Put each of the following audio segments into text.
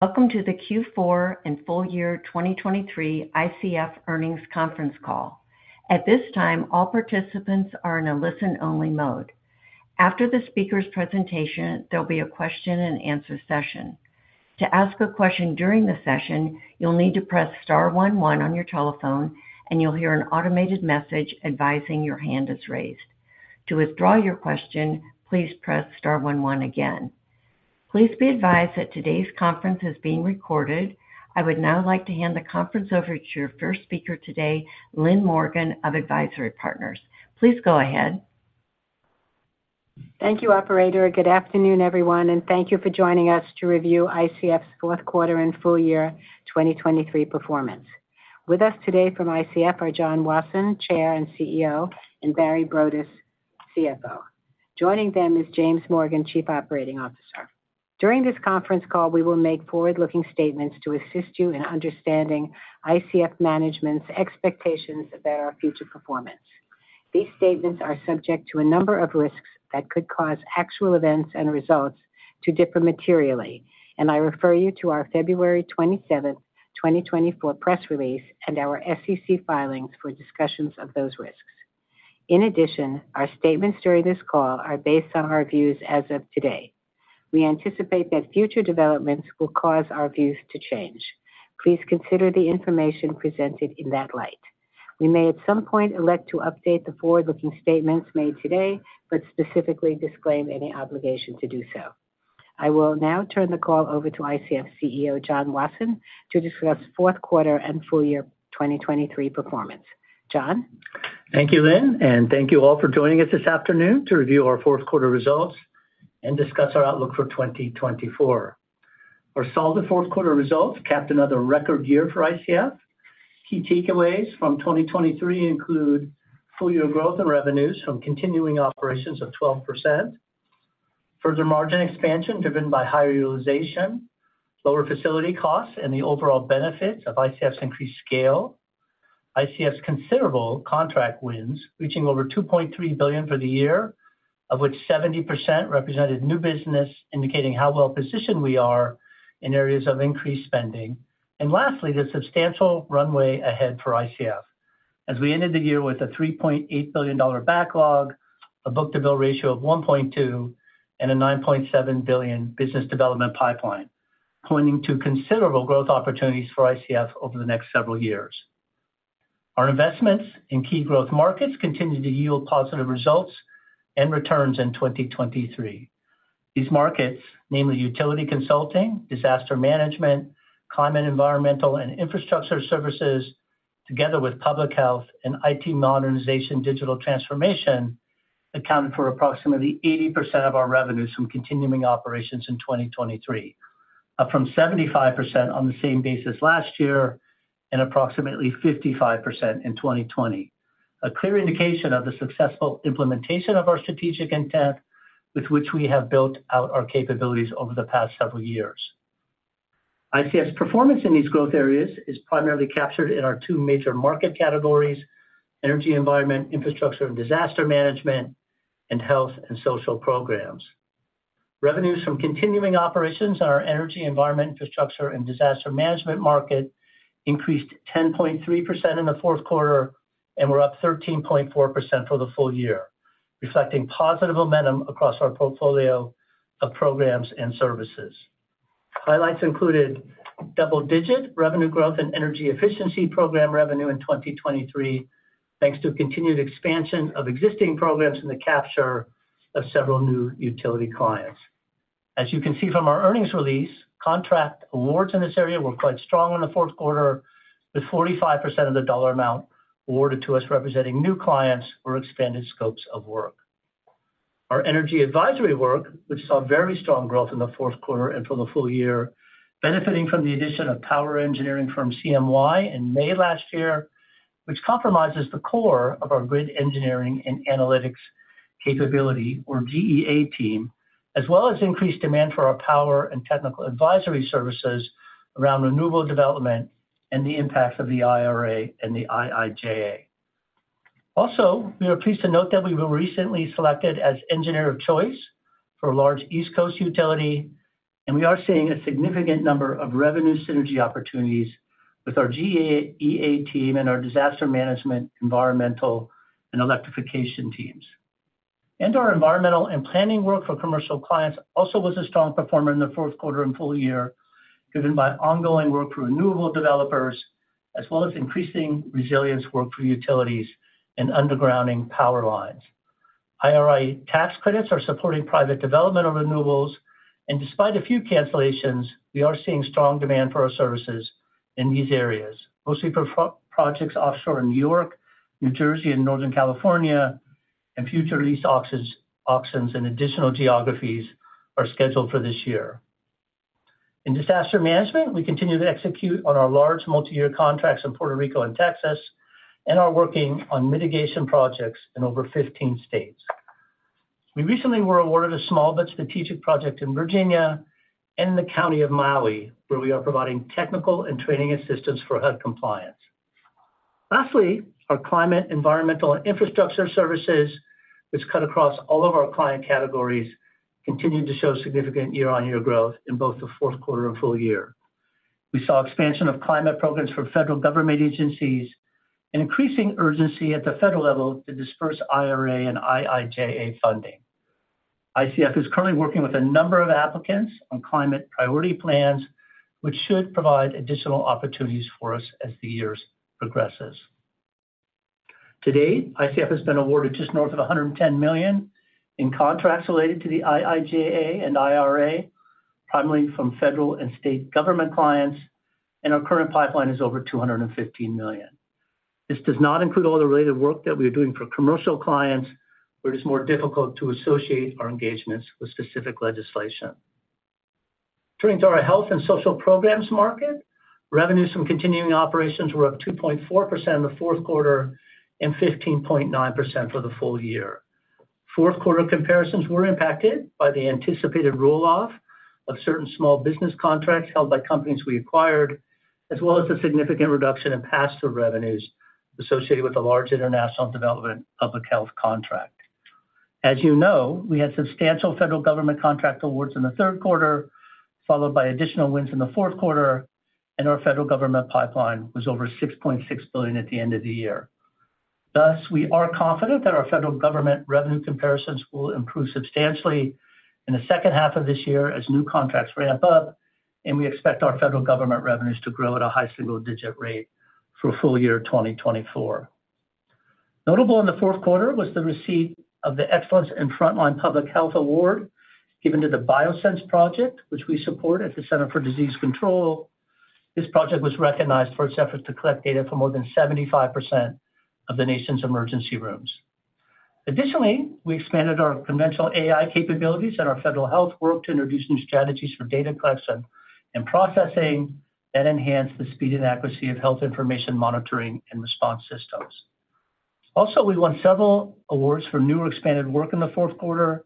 Welcome to the Q4 and full year 2023 ICF Earnings conference call. At this time, all participants are in a listen-only mode. After the speaker's presentation, there'll be a question-and-answer session. To ask a question during the session, you'll need to press star one one on your telephone, and you'll hear an automated message advising your hand is raised. To withdraw your question, please press star one one again. Please be advised that today's conference is being recorded. I would now like to hand the conference over to your first speaker today, Lynn Morgen of AdvisIRy Partners. Please go ahead. Thank you, operator. Good afternoon, everyone, and thank you for joining us to review ICF's fourth quarter and full year 2023 performance. With us today from ICF are John Wasson, Chair and CEO, and Barry Broadus, CFO. Joining them is James Morgan, Chief Operating Officer. During this conference call, we will make forward-looking statements to assist you in understanding ICF management's expectations about our future performance. These statements are subject to a number of risks that could cause actual events and results to differ materially, and I refer you to our February 27, 2024, press release and our SEC filings for discussions of those risks. In addition, our statements during this call are based on our views as of today. We anticipate that future developments will cause our views to change. Please consider the information presented in that light. We may, at some point, elect to update the forward-looking statements made today, but specifically disclaim any obligation to do so. I will now turn the call over to ICF's CEO, John Wasson, to discuss fourth quarter and full year 2023 performance. John? Thank you, Lynn, and thank you all for joining us this afternoon to review our fourth quarter results and discuss our outlook for 2024. Our solid fourth quarter results capped another record year for ICF. Key takeaways from 2023 include full year growth in revenues from continuing operations of 12%, further margin expansion, driven by higher utilization, lower facility costs, and the overall benefits of ICF's increased scale. ICF's considerable contract wins, reaching over $2.3 billion for the year, of which 70% represented new business, indicating how well-positioned we are in areas of increased spending. Lastly, the substantial runway ahead for ICF. As we ended the year with a $3.8 billion backlog, a book-to-bill ratio of 1.2, and a $9.7 billion business development pipeline, pointing to considerable growth opportunities for ICF over the next several years. Our investments in key growth markets continue to yield positive results and returns in 2023. These markets, namely utility consulting, disaster management, climate, environmental, and infrastructure services, together with public health and IT modernization digital transformation, accounted for approximately 80% of our revenues from continuing operations in 2023, up from 75% on the same basis last year and approximately 55% in 2020. A clear indication of the successful implementation of our strategic intent, with which we have built out our capabilities over the past several years. ICF's performance in these growth areas is primarily captured in our two major market categories: energy, environment, infrastructure, and disaster management, and health and social programs. Revenues from continuing operations in our energy, environment, infrastructure, and disaster management market increased 10.3% in the fourth quarter and were up 13.4% for the full year, reflecting positive momentum across our portfolio of programs and services. Highlights included double-digit revenue growth and energy efficiency program revenue in 2023, thanks to a continued expansion of existing programs and the capture of several new utility clients. As you can see from our earnings release, contract awards in this area were quite strong in the fourth quarter, with 45% of the dollar amount awarded to us representing new clients or expanded scopes of work. Our energy advisory work, which saw very strong growth in the fourth quarter and for the full year, benefiting from the addition of power engineering firm CMY in May last year, which comprises the core of our Grid Engineering and Analytics capability or GEA team, as well as increased demand for our power and technical advisory services around renewable development and the impact of the IRA and the IIJA. Also, we are pleased to note that we were recently selected as engineer of choice for a large East Coast utility, and we are seeing a significant number of revenue synergy opportunities with our GEA team and our disaster management, environmental, and electrification teams. Our environmental and planning work for commercial clients also was a strong performer in the fourth quarter and full year, driven by ongoing work for renewable developers, as well as increasing resilience work for utilities and undergrounding power lines. IRA tax credits are supporting private development of renewables, and despite a few cancellations, we are seeing strong demand for our services in these areas, mostly for pro-projects offshore in New York, New Jersey, and Northern California, and future lease auctions, auctions in additional geographies are scheduled for this year. In disaster management, we continue to execute on our large multi-year contracts in Puerto Rico and Texas and are working on mitigation projects in over 15 states. We recently were awarded a small but strategic project in Virginia and in the County of Maui, where we are providing technical and training assistance for HUD compliance. Lastly, our climate, environmental, and infrastructure services, which cut across all of our client categories, continued to show significant year-on-year growth in both the fourth quarter and full year. We saw expansion of climate programs for federal government agencies, and increasing urgency at the federal level to disperse IRA and IIJA funding. ICF is currently working with a number of applicants on climate priority plans, which should provide additional opportunities for us as the years progresses. To date, ICF has been awarded just north of $110 million in contracts related to the IIJA and IRA, primarily from federal and state government clients, and our current pipeline is over $215 million. This does not include all the related work that we are doing for commercial clients, where it's more difficult to associate our engagements with specific legislation. Turning to our health and social programs market, revenues from continuing operations were up 2.4% in the fourth quarter and 15.9% for the full year. Fourth quarter comparisons were impacted by the anticipated roll-off of certain small business contracts held by companies we acquired, as well as the significant reduction in pass-through revenues associated with a large international development public health contract. As you know, we had substantial federal government contract awards in the third quarter, followed by additional wins in the fourth quarter, and our federal government pipeline was over $6.6 billion at the end of the year. Thus, we are confident that our federal government revenue comparisons will improve substantially in the second half of this year as new contracts ramp up, and we expect our federal government revenues to grow at a high single-digit rate for full year 2024. Notable in the fourth quarter was the receipt of the Excellence in Frontline Public Health Award, given to the BioSense project, which we support at the Centers for Disease Control. This project was recognized for its efforts to collect data for more than 75% of the nation's emergency rooms. Additionally, we expanded our conventional AI capabilities and our federal health work to introduce new strategies for data collection and processing that enhance the speed and accuracy of health information monitoring and response systems. Also, we won several awards for new or expanded work in the fourth quarter,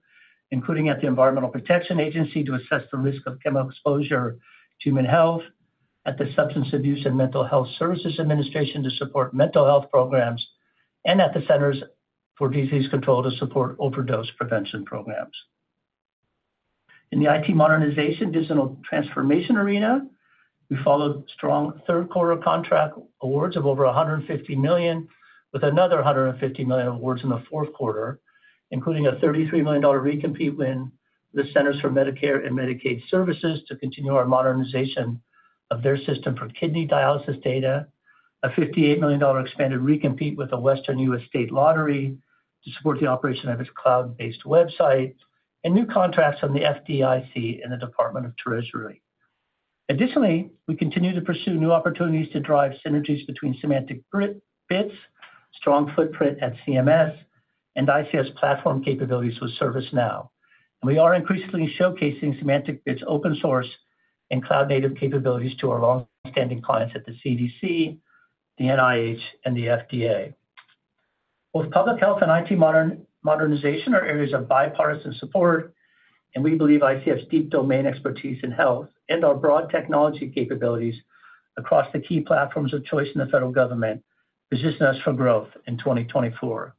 including at the Environmental Protection Agency, to assess the risk of chemical exposure to human health, at the Substance Abuse and Mental Health Services Administration to support mental health programs, and at the Centers for Disease Control and Prevention to support overdose prevention programs. In the IT modernization digital transformation arena, we followed strong third quarter contract awards of over $150 million, with another $150 million awards in the fourth quarter, including a $33 million dollar recompete win the Centers for Medicare and Medicaid Services to continue our modernization of their system for kidney dialysis data, a $58 million dollar expanded recompete with a Western U.S. state lottery to support the operation of its cloud-based website, and new contracts from the FDIC and the U.S. Department of Treasury. Additionally, we continue to pursue new opportunities to drive synergies between SemanticBits' strong footprint at CMS, and ICF's platform capabilities with ServiceNow. We are increasingly showcasing SemanticBits open source and cloud-native capabilities to our longstanding clients at the CDC, the NIH, and the FDA. Both public health and IT modernization are areas of bipartisan support, and we believe ICF's deep domain expertise in health and our broad technology capabilities across the key platforms of choice in the federal government positions us for growth in 2024.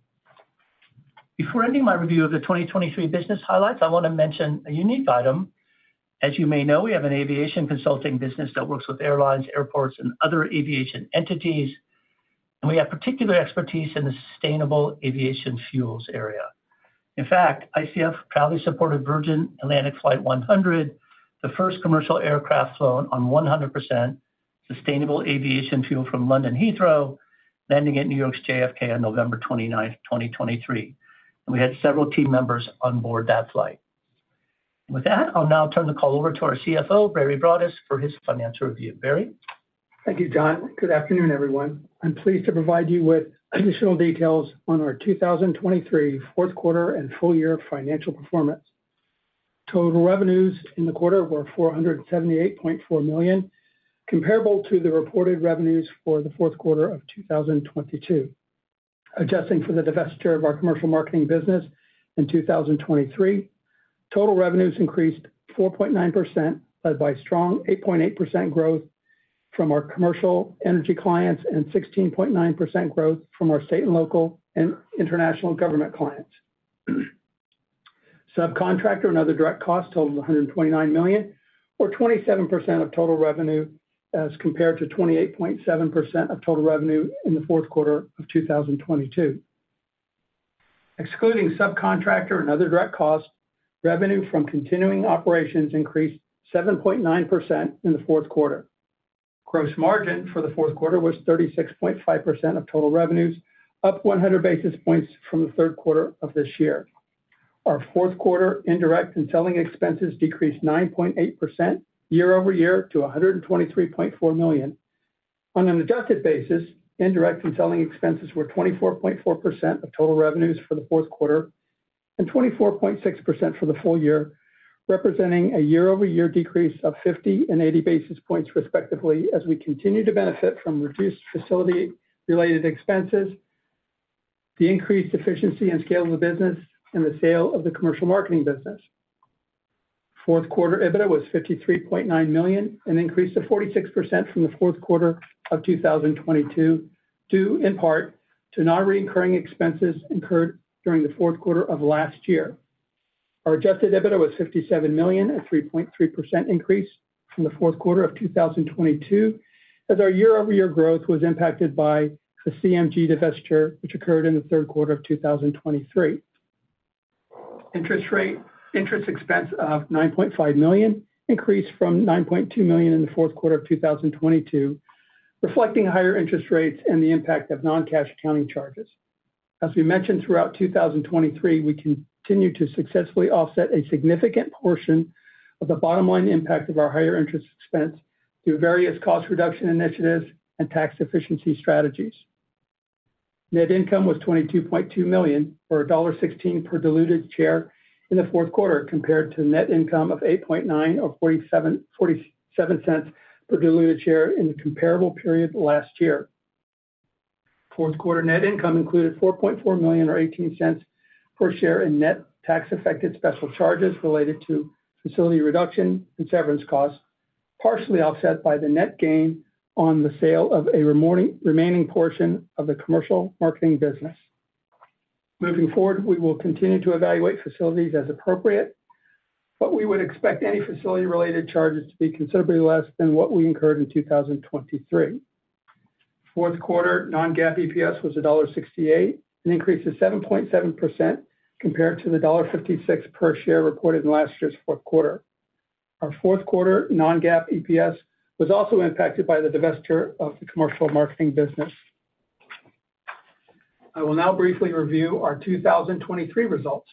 Before ending my review of the 2023 business highlights, I wanna mention a unique item. As you may know, we have an aviation consulting business that works with airlines, airports, and other aviation entities, and we have particular expertise in the sustainable aviation fuels area. In fact, ICF proudly supported Virgin Atlantic Flight 100, the first commercial aircraft flown on 100% sustainable aviation fuel from London Heathrow, landing at New York JFK on November 29th, 2023. We had several team members on board that flight. With that, I'll now turn the call over to our CFO, Barry Broadus, for his financial review. Barry? Thank you, John. Good afternoon, everyone. I'm pleased to provide you with additional details on our 2023 fourth quarter and full year financial performance. Total revenues in the quarter were $478.4 million, comparable to the reported revenues for the fourth quarter of 2022. Adjusting for the divestiture of our commercial marketing business in 2023, total revenues increased 4.9%, led by strong 8.8% growth from our commercial energy clients and 16.9% growth from our state and local and international government clients. Subcontractor and other direct costs totaled $129 million or 27% of total revenue, as compared to 28.7% of total revenue in the fourth quarter of 2022. Excluding subcontractor and other direct costs, revenue from continuing operations increased 7.9% in the fourth quarter. Gross margin for the fourth quarter was 36.5% of total revenues, up 100 basis points from the third quarter of this year. Our fourth quarter indirect and selling expenses decreased 9.8% year-over-year to $123.4 million. On an adjusted basis, indirect and selling expenses were 24.4% of total revenues for the fourth quarter and 24.6% for the full year, representing a year-over-year decrease of 50 and 80 basis points, respectively, as we continue to benefit from reduced facility-related expenses, the increased efficiency and scale of the business, and the sale of the commercial marketing business.... Fourth quarter EBITDA was $53.9 million, an increase of 46% from the fourth quarter of 2022, due in part to non-recurring expenses incurred during the fourth quarter of last year. Our adjusted EBITDA was $57 million, a 3.3% increase from the fourth quarter of 2022, as our year-over-year growth was impacted by the CMG divestiture, which occurred in the third quarter of 2023. Interest expense of $9.5 million, increased from $9.2 million in the fourth quarter of 2022, reflecting higher interest rates and the impact of non-cash accounting charges. As we mentioned throughout 2023, we continued to successfully offset a significant portion of the bottom line impact of our higher interest expense through various cost reduction initiatives and tax efficiency strategies. Net income was $22.2 million, or $1.16 per diluted share in the fourth quarter, compared to net income of $8.9 million or 47 cents per diluted share in the comparable period last year. Fourth quarter net income included $4.4 million or 18 cents per share in net tax-affected special charges related to facility reduction and severance costs, partially offset by the net gain on the sale of a remaining portion of the commercial marketing business. Moving forward, we will continue to evaluate facilities as appropriate, but we would expect any facility-related charges to be considerably less than what we incurred in 2023. Fourth quarter non-GAAP EPS was $1.68, an increase of 7.7% compared to the $1.56 per share reported in last year's fourth quarter. Our fourth quarter non-GAAP EPS was also impacted by the divestiture of the commercial marketing business. I will now briefly review our 2023 results.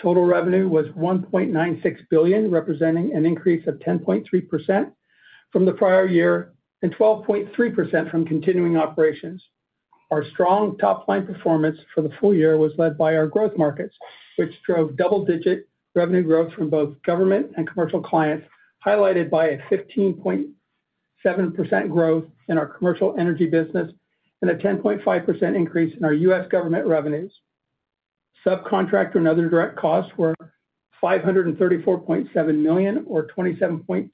Total revenue was $1.96 billion, representing an increase of 10.3% from the prior year and 12.3% from continuing operations. Our strong top-line performance for the full year was led by our growth markets, which drove double-digit revenue growth from both government and commercial clients, highlighted by a 15.7% growth in our commercial energy business and a 10.5% increase in our U.S. government revenues. Subcontractor and other direct costs were $534.7 million, or 27.2%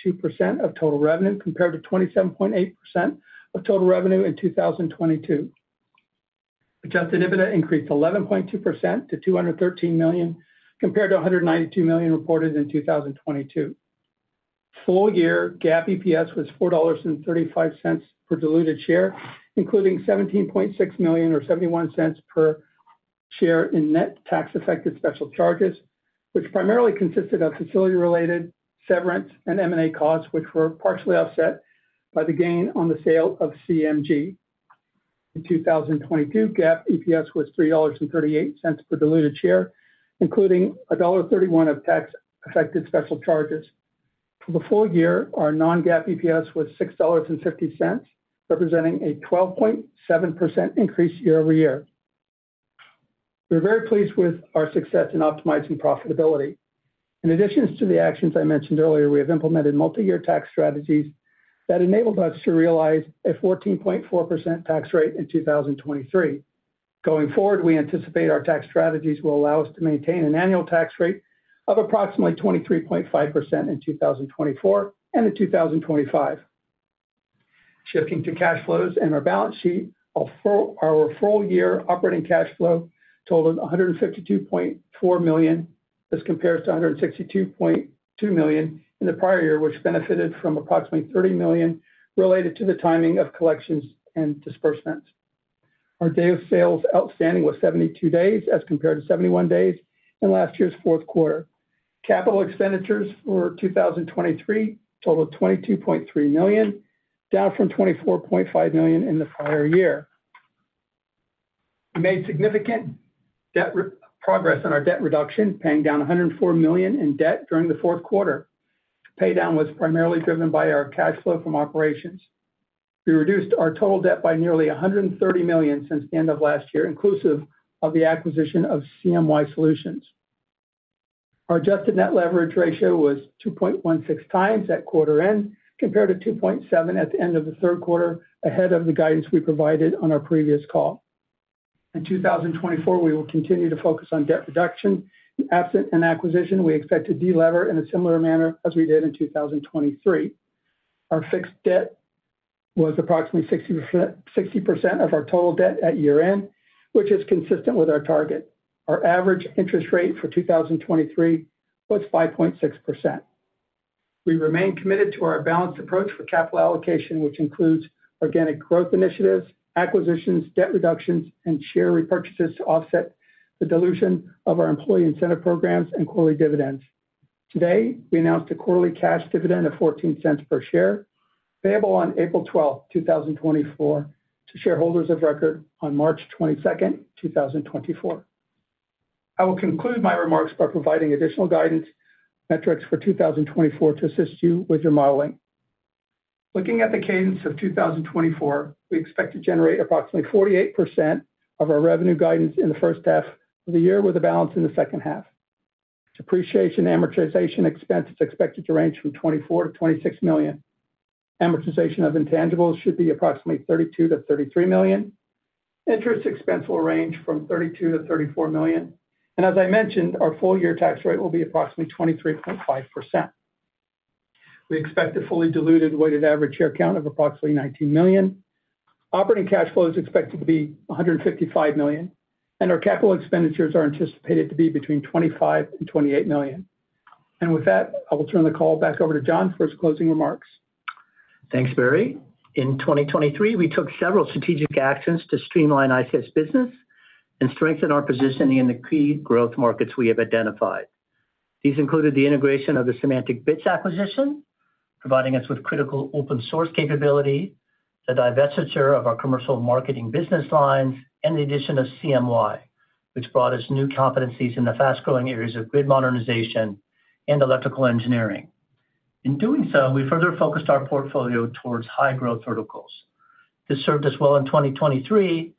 of total revenue, compared to 27.8% of total revenue in 2022. Adjusted EBITDA increased 11.2% to $213 million, compared to $192 million reported in 2022. Full year GAAP EPS was $4.35 per diluted share, including $17.6 million or $0.71 per share in net tax-affected special charges, which primarily consisted of facility-related, severance, and M&A costs, which were partially offset by the gain on the sale of CMG. In 2022, GAAP EPS was $3.38 per diluted share, including $1.31 of tax-affected special charges. For the full year, our non-GAAP EPS was $6.50, representing a 12.7% increase year over year. We're very pleased with our success in optimizing profitability. In addition to the actions I mentioned earlier, we have implemented multi-year tax strategies that enabled us to realize a 14.4% tax rate in 2023. Going forward, we anticipate our tax strategies will allow us to maintain an annual tax rate of approximately 23.5% in 2024 and in 2025. Shifting to cash flows and our balance sheet, our full year operating cash flow totaled $152.4 million. This compares to $162.2 million in the prior year, which benefited from approximately $30 million related to the timing of collections and disbursements. Our days sales outstanding was 72 days, as compared to 71 days in last year's fourth quarter. Capital expenditures for 2023 totaled $22.3 million, down from $24.5 million in the prior year. We made significant progress on our debt reduction, paying down $104 million in debt during the fourth quarter. Paydown was primarily driven by our cash flow from operations. We reduced our total debt by nearly $130 million since the end of last year, inclusive of the acquisition of CMY Solutions. Our adjusted net leverage ratio was 2.16x at quarter end, compared to 2.7 at the end of the third quarter, ahead of the guidance we provided on our previous call. In 2024, we will continue to focus on debt reduction. Absent an acquisition, we expect to delever in a similar manner as we did in 2023. Our fixed debt was approximately 60% of our total debt at year-end, which is consistent with our target. Our average interest rate for 2023 was 5.6%. We remain committed to our balanced approach for capital allocation, which includes organic growth initiatives, acquisitions, debt reductions, and share repurchases to offset the dilution of our employee incentive programs and quarterly dividends. Today, we announced a quarterly cash dividend of $0.14 per share, payable on April 12, 2024 to shareholders of record on March 22, 2024. I will conclude my remarks by providing additional guidance metrics for 2024 to assist you with your modeling. Looking at the cadence of 2024, we expect to generate approximately 48% of our revenue guidance in the first half of the year, with a balance in the second half. Depreciation and amortization expense is expected to range from $24 million-26 million. Amortization of intangibles should be approximately $32 million-33 million. Interest expense will range from $32 million-34 million. And as I mentioned, our full year tax rate will be approximately 23.5%. We expect a fully diluted weighted average share count of approximately 19 million. Operating cash flow is expected to be $155 million, and our capital expenditures are anticipated to be between $25 million-28 million. And with that, I will turn the call back over to John for his closing remarks. Thanks, Barry. In 2023, we took several strategic actions to streamline ICF's business and strengthen our positioning in the key growth markets we have identified. These included the integration of the SemanticBits acquisition, providing us with critical open-source capability, the divestiture of our commercial marketing business lines, and the addition of CMY, which brought us new competencies in the fast-growing areas of grid modernization and electrical engineering. In doing so, we further focused our portfolio towards high-growth verticals. This served us well in 2023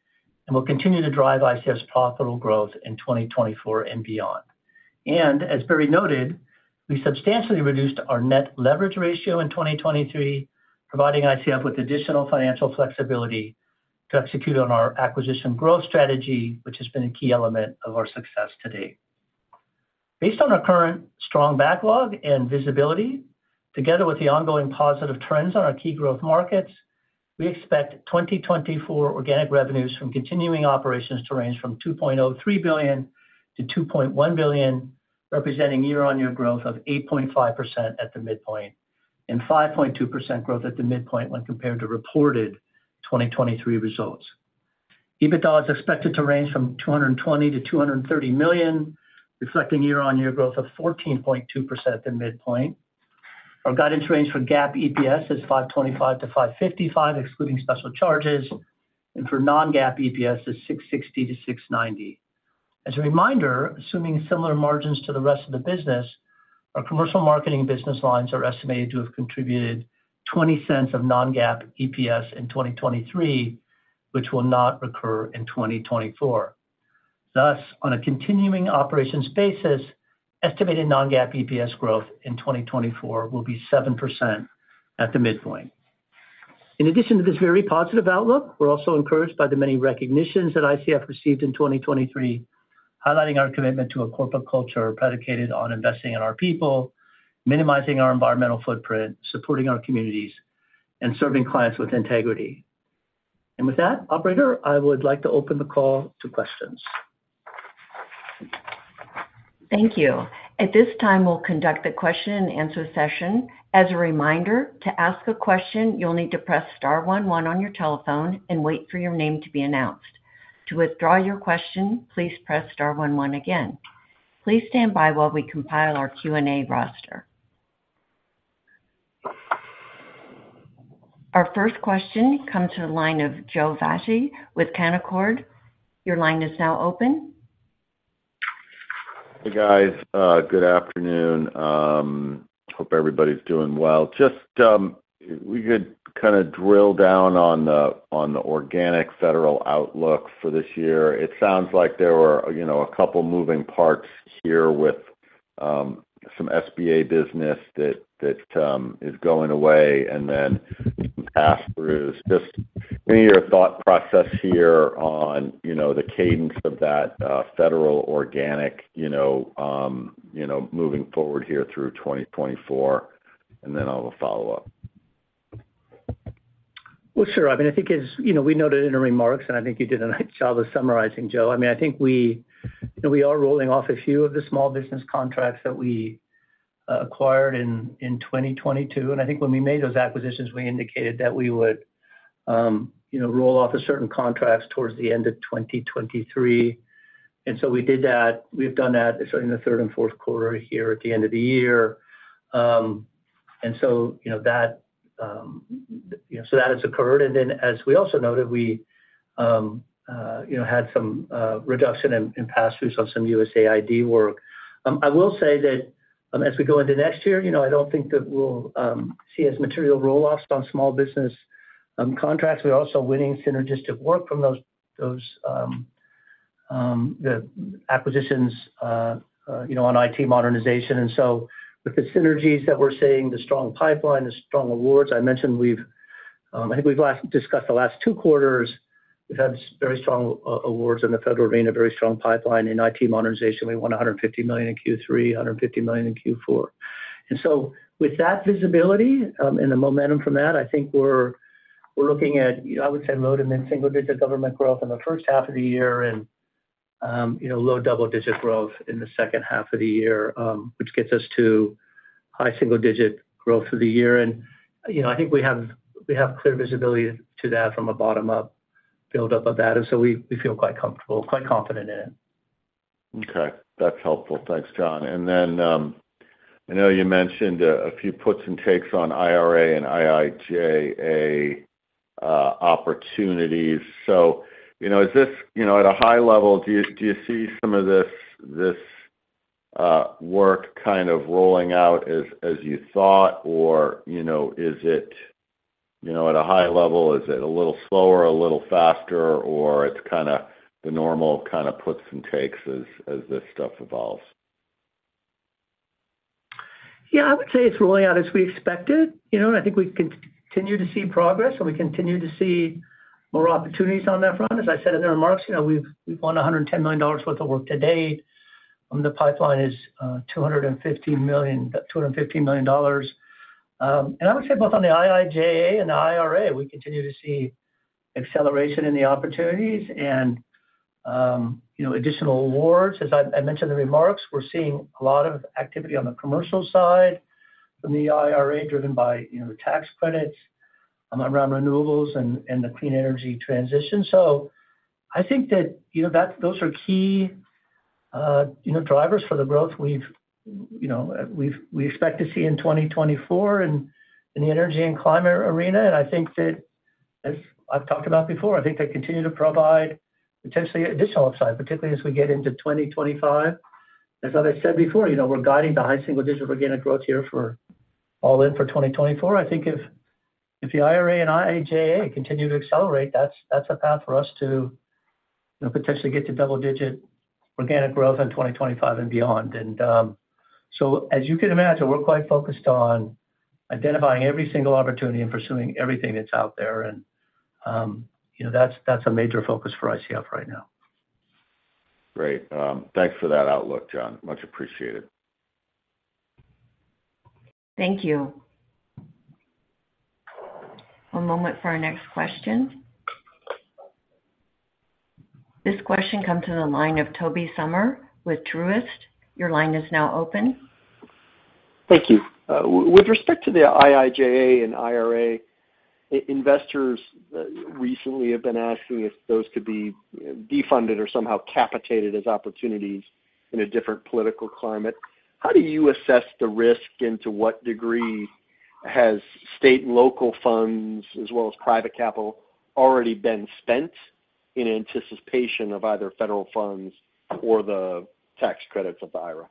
and will continue to drive ICF's profitable growth in 2024 and beyond. As Barry noted, we substantially reduced our net leverage ratio in 2023, providing ICF with additional financial flexibility to execute on our acquisition growth strategy, which has been a key element of our success to date. Based on our current strong backlog and visibility, together with the ongoing positive trends on our key growth markets, we expect 2024 organic revenues from continuing operations to range from $2.03 billion-$2.1 billion, representing year-on-year growth of 8.5% at the midpoint, and 5.2% growth at the midpoint when compared to reported 2023 results. EBITDA is expected to range from $220 million-$230 million, reflecting year-on-year growth of 14.2% at the midpoint. Our guidance range for GAAP EPS is $5.25-$5.55, excluding special charges, and for non-GAAP EPS is $6.60-$6.90. As a reminder, assuming similar margins to the rest of the business, our commercial marketing business lines are estimated to have contributed $0.20 of Non-GAAP EPS in 2023, which will not recur in 2024. Thus, on a continuing operations basis, estimated Non-GAAP EPS growth in 2024 will be 7% at the midpoint. In addition to this very positive outlook, we're also encouraged by the many recognitions that ICF received in 2023, highlighting our commitment to a corporate culture predicated on investing in our people, minimizing our environmental footprint, supporting our communities, and serving clients with integrity. And with that, operator, I would like to open the call to questions. Thank you. At this time, we'll conduct the question-and-answer session. As a reminder, to ask a question, you'll need to press star one one on your telephone and wait for your name to be announced. To withdraw your question, please press star one one again. Please stand by while we compile our Q&A roster. Our first question comes to the line of Joe Vafi with Canaccord. Your line is now open. Hey, guys, good afternoon. Hope everybody's doing well. Just, if we could kind of drill down on the organic federal outlook for this year. It sounds like there were, you know, a couple moving parts here with some SBA business that is going away and then some pass-throughs. Just give me your thought process here on, you know, the cadence of that, federal organic, you know, you know, moving forward here through 2024, and then I'll follow up. Well, sure. I mean, I think as, you know, we noted in the remarks, and I think you did a nice job of summarizing, Joe. I mean, I think we, you know, we are rolling off a few of the small business contracts that we acquired in 2022. And I think when we made those acquisitions, we indicated that we would, you know, roll off of certain contracts towards the end of 2023. And so we did that. We've done that in the third and fourth quarter here at the end of the year. And so, you know, that, you know, so that has occurred. And then as we also noted, we, you know, had some reduction in pass-throughs on some USAID work. I will say that, as we go into next year, you know, I don't think that we'll see as material roll-offs on small business contracts. We're also winning synergistic work from those acquisitions, you know, on IT modernization. And so with the synergies that we're seeing, the strong pipeline, the strong awards, I mentioned we've, I think we've last discussed the last two quarters, we've had very strong awards in the federal arena, very strong pipeline in IT modernization. We won $150 million in Q3, $150 million in Q4. And so with that visibility, and the momentum from that, I think we're looking at, I would say, low to mid single digit government growth in the first half of the year and, you know, low double digit growth in the second half of the year, which gets us to high single digit growth for the year. And, you know, I think we have clear visibility to that from a bottom up build up of that, and so we feel quite comfortable, quite confident in it. Okay. That's helpful. Thanks, John. And then, I know you mentioned a few puts and takes on IRA and IIJA opportunities. So, you know, is this... You know, at a high level, do you see some of this work kind of rolling out as you thought? Or, you know, is it, you know, at a high level, is it a little slower, a little faster, or it's kinda the normal kinda puts and takes as this stuff evolves?... Yeah, I would say it's rolling out as we expected. You know, and I think we continue to see progress, and we continue to see more opportunities on that front. As I said in the remarks, you know, we've won $110 million worth of work to date, and the pipeline is $250 million--$215 million. And I would say both on the IIJA and the IRA, we continue to see acceleration in the opportunities and, you know, additional awards. As I mentioned in the remarks, we're seeing a lot of activity on the commercial side from the IRA, driven by, you know, the tax credits around renewables and the clean energy transition. So I think that, you know, that's—those are key, you know, drivers for the growth we expect to see in 2024 in the energy and climate arena. I think that, as I've talked about before, I think they continue to provide potentially additional upside, particularly as we get into 2025. As I said before, you know, we're guiding to high single-digit organic growth here for all in for 2024. I think if the IRA and IIJA continue to accelerate, that's a path for us to, you know, potentially get to double-digit organic growth in 2025 and beyond. So as you can imagine, we're quite focused on identifying every single opportunity and pursuing everything that's out there. You know, that's a major focus for ICF right now. Great. Thanks for that outlook, John. Much appreciated. Thank you. One moment for our next question. This question comes to the line of Tobey Sommer with Truist. Your line is now open. Thank you. With respect to the IIJA and IRA, investors recently have been asking if those could be defunded or somehow capitated as opportunities in a different political climate. How do you assess the risk, and to what degree has state and local funds, as well as private capital, already been spent in anticipation of either federal funds or the tax credits of the IRA?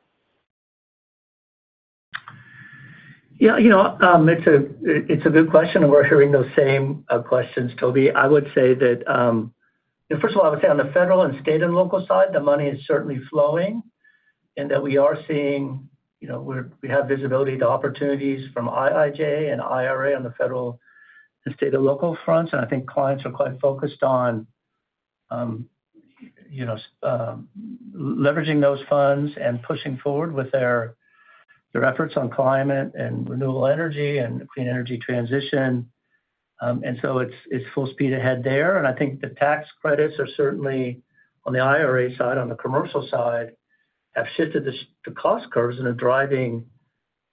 Yeah, you know, it's a good question, and we're hearing those same questions, Toby. I would say that, first of all, I would say on the federal and state and local side, the money is certainly flowing, and that we are seeing, you know, we have visibility to opportunities from IIJA and IRA on the federal and state and local fronts. And I think clients are quite focused on, you know, leveraging those funds and pushing forward with their efforts on climate and renewable energy and clean energy transition. And so it's full speed ahead there. And I think the tax credits are certainly, on the IRA side, on the commercial side, have shifted the cost curves and are driving,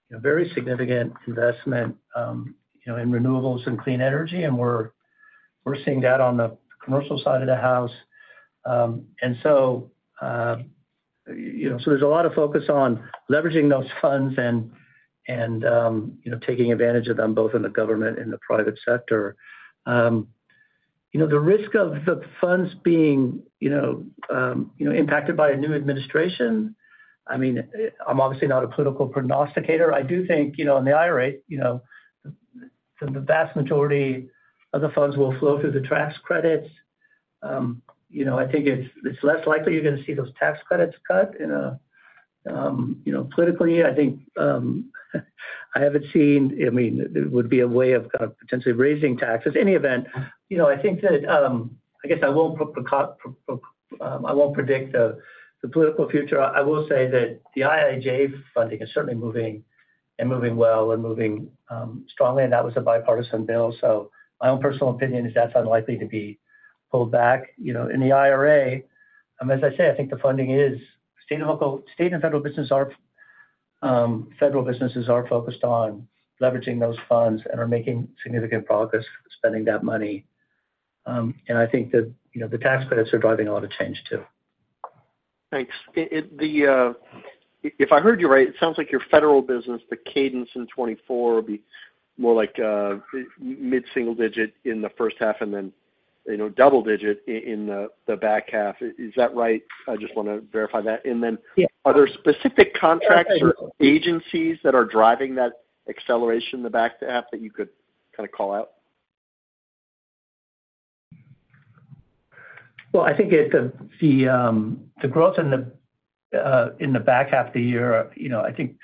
you know, very significant investment, you know, in renewables and clean energy. We're seeing that on the commercial side of the house. And so, you know, so there's a lot of focus on leveraging those funds and, you know, taking advantage of them, both in the government and the private sector. You know, the risk of the funds being, you know, impacted by a new administration, I mean, I'm obviously not a political prognosticator. I do think, you know, on the IRA, you know, the vast majority of the funds will flow through the tax credits. You know, I think it's less likely you're gonna see those tax credits cut in a, you know... Politically, I think, I haven't seen—I mean, it would be a way of kind of potentially raising taxes. Anyway, you know, I think that, I guess I won't predict the political future. I will say that the IIJA funding is certainly moving and moving well and moving strongly, and that was a bipartisan bill. So my own personal opinion is that's unlikely to be pulled back. You know, in the IRA, as I say, I think the funding is state and local and state and federal businesses are focused on leveraging those funds and are making significant progress spending that money. And I think that, you know, the tax credits are driving a lot of change, too. Thanks. If I heard you right, it sounds like your federal business, the cadence in 2024 will be more like mid single digit in the first half and then, you know, double digit in the back half. Is that right? I just wanna verify that. Yeah. And then, are there specific contracts or agencies that are driving that acceleration in the back half that you could kinda call out? Well, I think the growth in the back half of the year, you know, I think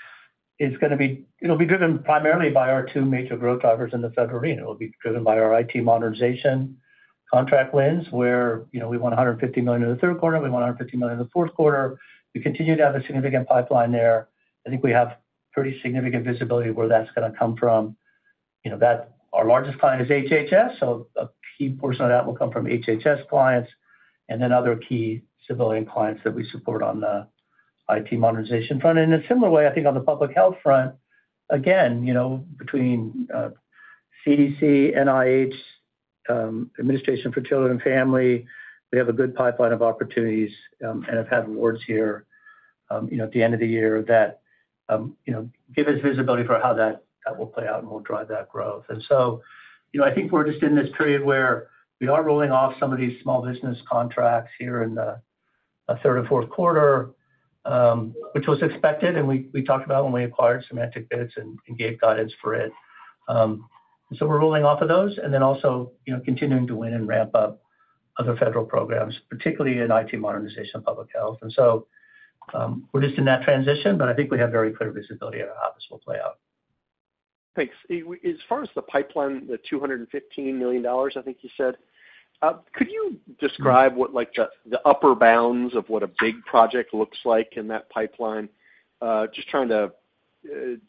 is gonna be-- it'll be driven primarily by our two major growth drivers in the federal arena. It'll be driven by our IT modernization contract wins, where, you know, we won $150 million in the third quarter, we won $150 million in the fourth quarter. We continue to have a significant pipeline there. I think we have pretty significant visibility where that's gonna come from. You know, that our largest client is HHS, so a key portion of that will come from HHS clients and then other key civilian clients that we support on the IT modernization front. In a similar way, I think on the public health front, again, you know, between CDC, NIH, Administration for Children and Families, we have a good pipeline of opportunities, and have had awards here, you know, at the end of the year that, you know, give us visibility for how that will play out and will drive that growth. And so, you know, I think we're just in this period where we are rolling off some of these small business contracts here in the third and fourth quarter, which was expected, and we talked about when we acquired SemanticBits and gave guidance for it. So we're rolling off of those and then also, you know, continuing to win and ramp up other federal programs, particularly in IT modernization and public health. And so, we're just in that transition, but I think we have very clear visibility on how this will play out. Thanks. As far as the pipeline, the $215 million, I think you said, could you describe what, like, the upper bounds of what a big project looks like in that pipeline? Just trying to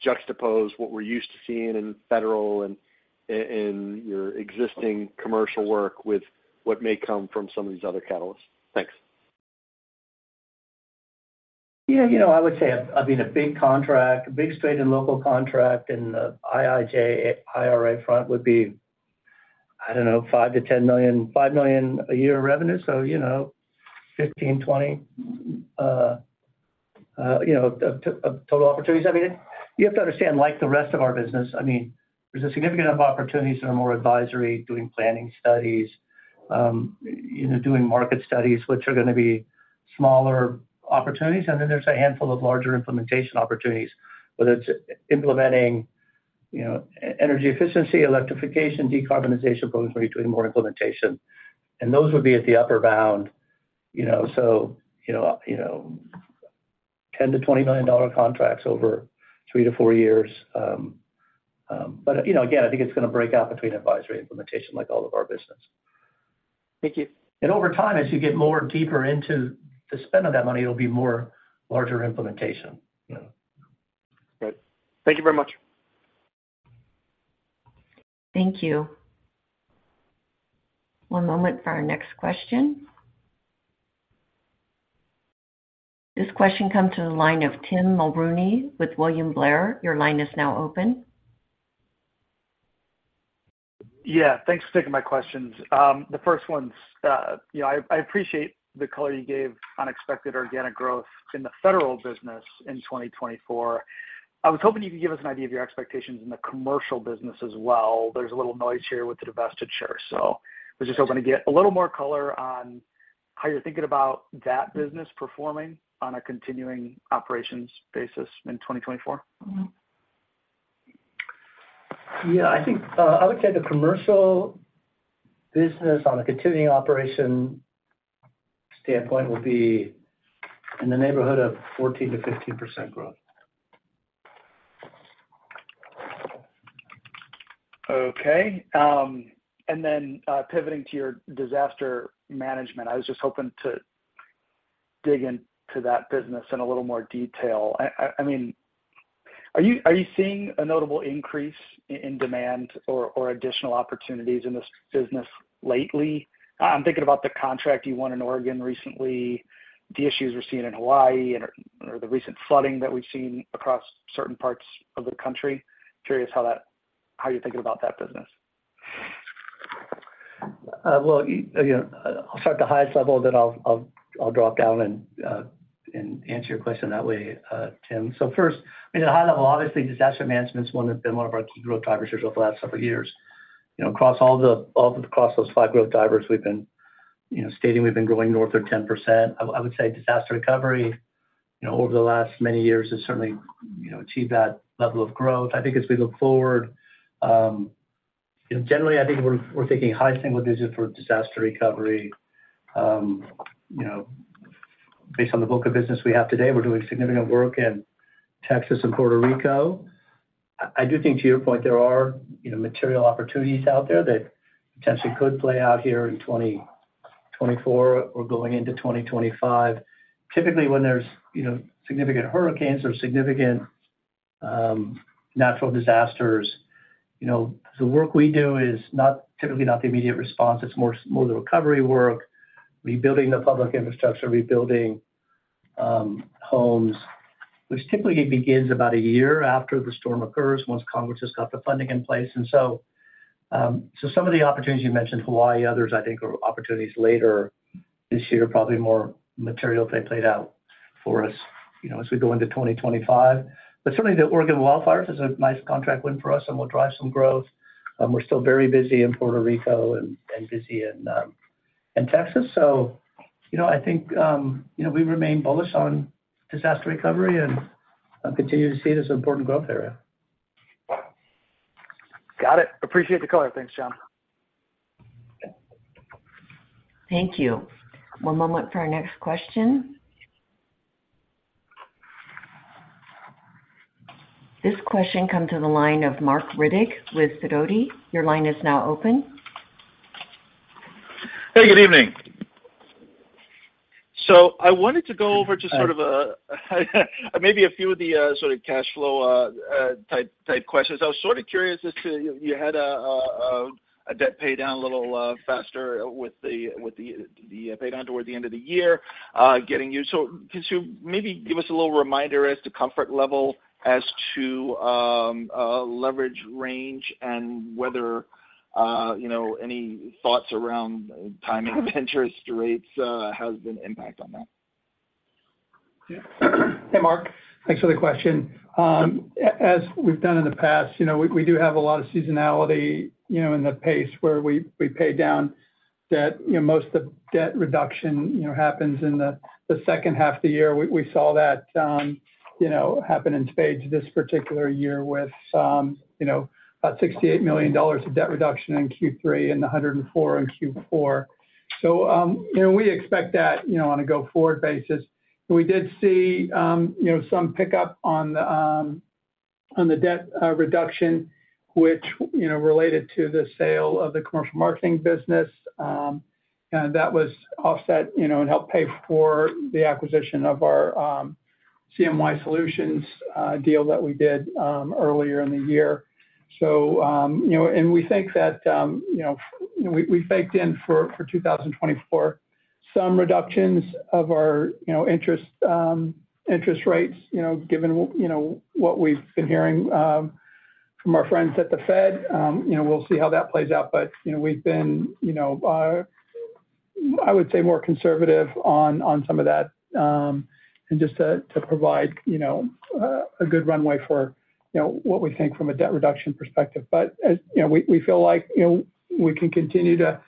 juxtapose what we're used to seeing in federal and in your existing commercial work with what may come from some of these other catalysts. Thanks. Yeah, you know, I would say, I mean, a big contract, a big state and local contract in the IIJ, IRA front would be, I don't know, $5 million-$10 million, $5 million a year in revenue. So, you know, 15, 20, you know, of, of total opportunities every year. You have to understand, like the rest of our business, I mean, there's a significant amount of opportunities that are more advisory, doing planning studies, you know, doing market studies, which are gonna be smaller opportunities. And then there's a handful of larger implementation opportunities, whether it's implementing, you know, energy efficiency, electrification, decarbonization programs, where you're doing more implementation. And those would be at the upper bound, you know, so, you know, you know, $10 million-$20 million dollar contracts over 3-4 years. But, you know, again, I think it's gonna break out between advisory and implementation, like all of our business. Thank you. Over time, as you get more deeper into the spend of that money, it'll be more larger implementation, you know. Great. Thank you very much. Thank you. One moment for our next question. This question comes to the line of Tim Mulrooney with William Blair. Your line is now open. Yeah, thanks for taking my questions. The first one's, you know, I appreciate the color you gave unexpected organic growth in the federal business in 2024. I was hoping you could give us an idea of your expectations in the commercial business as well. There's a little noise here with the divestiture, so I was just hoping to get a little more color on how you're thinking about that business performing on a continuing operations basis in 2024. Mm-hmm. Yeah, I think, I would say the commercial business on a continuing operation standpoint will be in the neighborhood of 14%-15% growth. Okay. And then, pivoting to your disaster management, I was just hoping to dig into that business in a little more detail. I mean, are you seeing a notable increase in demand or additional opportunities in this business lately? I'm thinking about the contract you won in Oregon recently, the issues we're seeing in Hawaii or the recent flooding that we've seen across certain parts of the country. Curious how that, how you're thinking about that business. Well, you know, I'll start at the highest level, then I'll drop down and answer your question that way, Tim. So first, I mean, at a high level, obviously, disaster management is one that's been one of our key growth drivers here over the last several years. You know, across all across those five growth drivers we've been, you know, stating we've been growing north of 10%. I would say disaster recovery, you know, over the last many years, has certainly, you know, achieved that level of growth. I think as we look forward, you know, generally, I think we're thinking high single digits for disaster recovery. You know, based on the book of business we have today, we're doing significant work in Texas and Puerto Rico. I do think, to your point, there are, you know, material opportunities out there that potentially could play out here in 2024 or going into 2025. Typically, when there's, you know, significant hurricanes or significant natural disasters, you know, the work we do is not, typically not the immediate response. It's more the recovery work, rebuilding the public infrastructure, rebuilding homes, which typically begins about a year after the storm occurs, once Congress has got the funding in place. And so some of the opportunities you mentioned, Hawaii, others, I think, are opportunities later this year, probably more material they played out for us, you know, as we go into 2025. But certainly, the Oregon wildfires is a nice contract win for us and will drive some growth. We're still very busy in Puerto Rico and busy in Texas. So, you know, I think, you know, we remain bullish on disaster recovery and continue to see it as an important growth area. Got it. Appreciate the color. Thanks, John. Thank you. One moment for our next question. This question comes to the line of Marc Riddick with Sidoti. Your line is now open. Hey, good evening. So I wanted to go over to- Hi. Sort of, maybe a few of the sort of cash flow type questions. I was sort of curious as to... You had a debt pay down a little faster with the pay down toward the end of the year, getting you. So could you maybe give us a little reminder as to comfort level as to leverage range and whether, you know, any thoughts around timing of interest rates has an impact on that? Yeah. Hey, Marc, thanks for the question. As we've done in the past, you know, we do have a lot of seasonality, you know, in the pace where we pay down debt. You know, most of the debt reduction, you know, happens in the second half of the year. We saw that happen in spades this particular year with about $68 million of debt reduction in Q3 and $104 million in Q4. So, you know, we expect that, you know, on a go-forward basis.... We did see, you know, some pickup on the debt reduction, which, you know, related to the sale of the commercial marketing business. And that was offset, you know, and helped pay for the acquisition of our CMY Solutions deal that we did earlier in the year. So, you know, and we think that, you know, we baked in for 2024, some reductions of our, you know, interest rates, you know, given what, you know, what we've been hearing from our friends at the Fed. You know, we'll see how that plays out, but, you know, we've been, you know, I would say, more conservative on, on some of that, and just to, to provide, you know, a good runway for, you know, what we think from a debt reduction perspective. But you know, we, we feel like, you know, we can continue to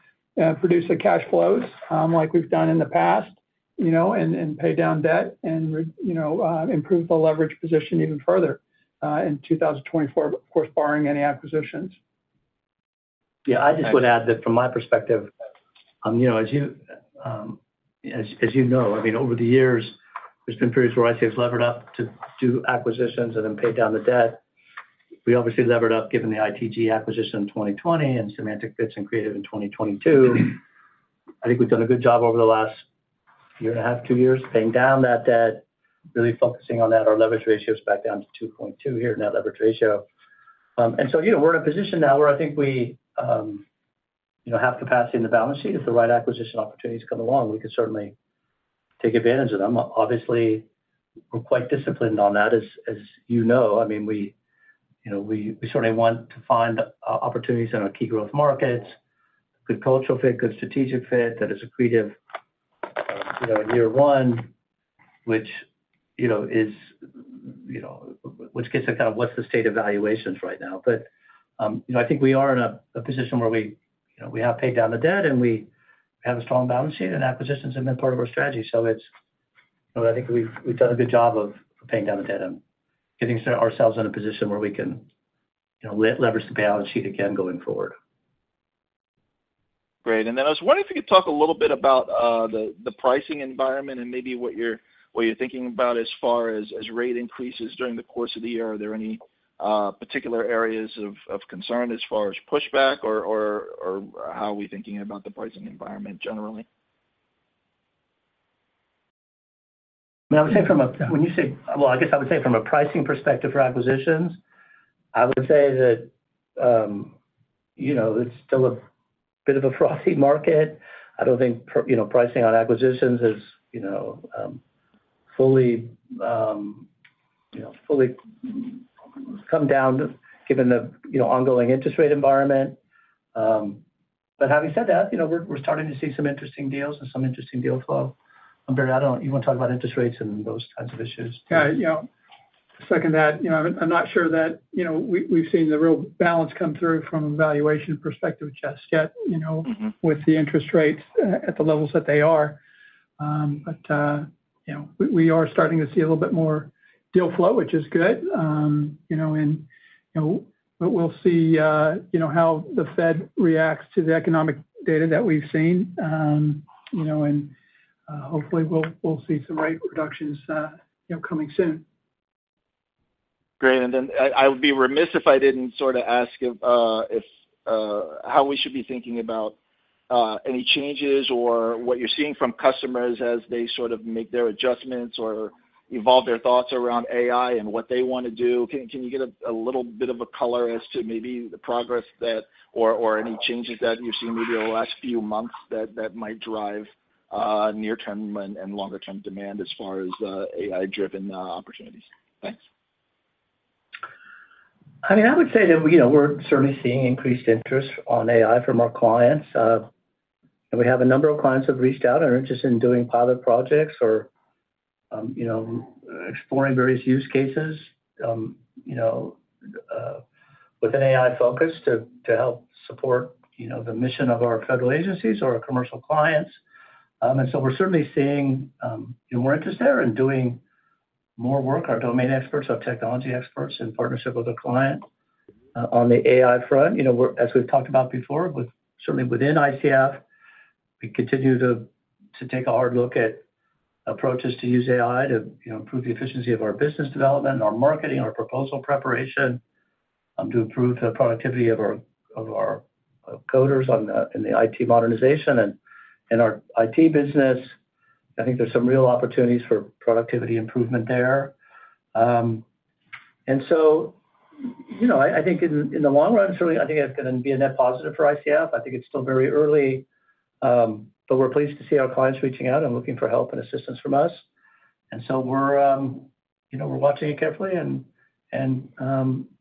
produce the cash flows, like we've done in the past, you know, and, and pay down debt and you know, improve the leverage position even further, in 2024, of course, barring any acquisitions. Yeah, I just would add that from my perspective, you know, as you know, I mean, over the years, there's been periods where ICF has levered up to do acquisitions and then paid down the debt. We obviously levered up given the ITG acquisition in 2020 and SemanticBits and Creative in 2022. I think we've done a good job over the last year and a half, two years, paying down that debt, really focusing on that. Our leverage ratio is back down to 2.2 here, net leverage ratio. And so, you know, we're in a position now where I think we, you know, have capacity in the balance sheet. If the right acquisition opportunities come along, we can certainly take advantage of them. Obviously, we're quite disciplined on that, as you know. I mean, we, you know, we certainly want to find opportunities in our key growth markets, good cultural fit, good strategic fit that is accretive, you know, in year one, which, you know, is, you know, which gets to kind of what's the state of valuations right now. But, you know, I think we are in a position where we, you know, we have paid down the debt, and we have a strong balance sheet, and acquisitions have been part of our strategy. So it's... So I think we've done a good job of paying down the debt and getting ourself in a position where we can, you know, leverage the balance sheet again going forward. Great. And then I was wondering if you could talk a little bit about the pricing environment and maybe what you're thinking about as far as rate increases during the course of the year. Are there any particular areas of concern as far as pushback, or how are we thinking about the pricing environment generally? I would say—well, I guess I would say from a pricing perspective for acquisitions, I would say that, you know, it's still a bit of a frosty market. I don't think—you know, pricing on acquisitions is, you know, fully, you know, fully come down, given the, you know, ongoing interest rate environment. But having said that, you know, we're starting to see some interesting deals and some interesting deal flow. Barry, I don't know, you want to talk about interest rates and those types of issues? Yeah, you know, second that. You know, I'm not sure that, you know, we've seen the real balance come through from a valuation perspective just yet, you know- Mm-hmm. With the interest rates at the levels that they are. But you know, we are starting to see a little bit more deal flow, which is good. You know, and you know, but we'll see, you know, how the Fed reacts to the economic data that we've seen. You know, and hopefully, we'll see some rate reductions, you know, coming soon. Great. And then I would be remiss if I didn't sort of ask if how we should be thinking about any changes or what you're seeing from customers as they sort of make their adjustments or evolve their thoughts around AI and what they want to do. Can you get a little bit of a color as to maybe the progress that or any changes that you've seen maybe over the last few months that might drive near-term and longer-term demand as far as AI-driven opportunities? Thanks. I mean, I would say that, you know, we're certainly seeing increased interest on AI from our clients. And we have a number of clients who have reached out and are interested in doing pilot projects or, you know, exploring various use cases, you know, with an AI focus to help support, you know, the mission of our federal agencies or our commercial clients. And so we're certainly seeing more interest there in doing more work, our domain experts, our technology experts, in partnership with the client. On the AI front, you know, as we've talked about before, certainly within ICF, we continue to take a hard look at approaches to use AI to, you know, improve the efficiency of our business development, our marketing, our proposal preparation, to improve the productivity of our coders in the IT modernization and in our IT business. I think there's some real opportunities for productivity improvement there. And so, you know, I think in the long run, certainly, I think it's gonna be a net positive for ICF. I think it's still very early, but we're pleased to see our clients reaching out and looking for help and assistance from us. And so we're, you know, we're watching it carefully and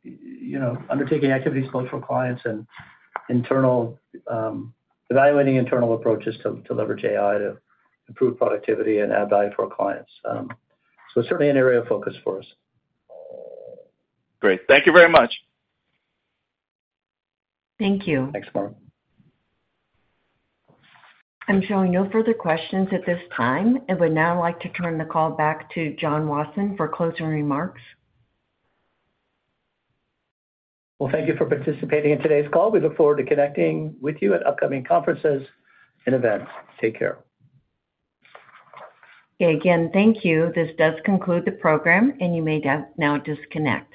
you know, undertaking activities, both for clients and internal, evaluating internal approaches to leverage AI to improve productivity and add value for our clients. So certainly an area of focus for us. Great. Thank you very much. Thank you. Thanks, Marc. I'm showing no further questions at this time and would now like to turn the call back to John Wasson for closing remarks. Well, thank you for participating in today's call. We look forward to connecting with you at upcoming conferences and events. Take care. Okay. Again, thank you. This does conclude the program, and you may now disconnect.